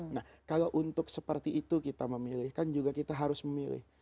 nah kalau untuk seperti itu kita memilih kan juga kita harus memilih